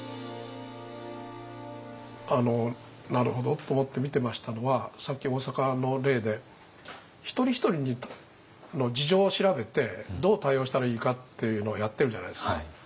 あのなるほどと思って見てましたのはさっき大阪の例で一人一人の事情を調べてどう対応したらいいかっていうのをやってるじゃないですか。